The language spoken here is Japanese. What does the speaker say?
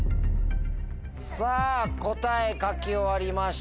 さぁ答え書き終わりました。